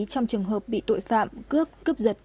trong trường hợp bị tội phạm cướp cướp giật